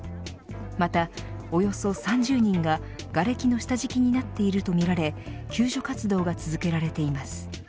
また、およそ３０人ががれきの下敷きになっているとみられ救助活動が続けられています。